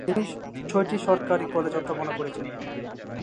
তিনি ছয়টি সরকারি কলেজে অধ্যাপনা করেছেন।